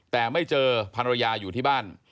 แต่ไม่เจอภรรยาอยู่ที่บ้าน